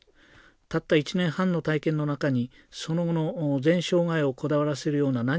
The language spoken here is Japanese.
たった１年半の体験の中にその後の全生涯をこだわらせるような何があったのか。